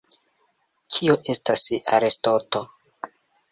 Kio estas arestoto?